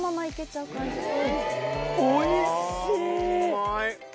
おいしい！